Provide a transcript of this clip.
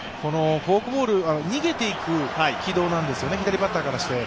フォークボール、逃げていく軌道なんですよね、左バッターからして。